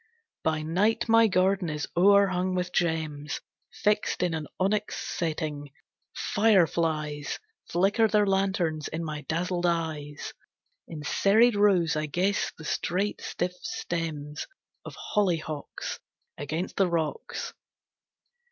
By night my garden is o'erhung with gems Fixed in an onyx setting. Fireflies Flicker their lanterns in my dazzled eyes. In serried rows I guess the straight, stiff stems Of hollyhocks Against the rocks.